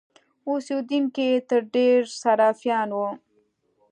اوسېدونکي یې تر ډېره سرفیان وو.